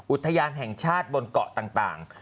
อุทยานแห่งชาติบนเกาะต่าง